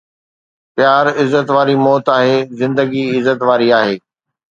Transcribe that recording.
پيار عزت واري موت آهي، زندگي عزت واري آهي